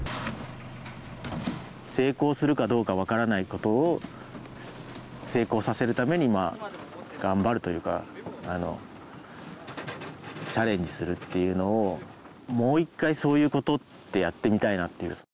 成功するかどうかわからないことを成功させるために頑張るというかあのチャレンジするっていうのをもう一回そういうことってやってみたいなっていう。